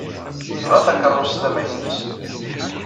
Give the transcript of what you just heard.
Yebɣa takeṛṛust tamaynut.